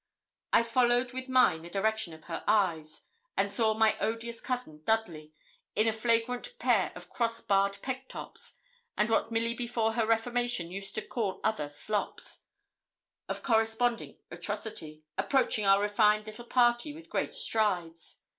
I followed with mine the direction of her eyes, and saw my odious cousin, Dudley, in a flagrant pair of cross barred peg tops, and what Milly before her reformation used to call other 'slops' of corresponding atrocity, approaching our refined little party with great strides.